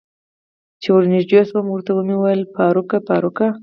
چې ور نږدې شوم ورته مې وویل: فاروق، فاروق.